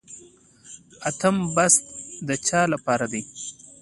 اتم بست د چا لپاره دی؟